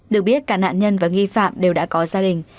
được biết cả nạn nhân và nghi phạm đều đã có gia đình